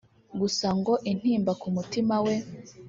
gusa ngo intimba ku mutima we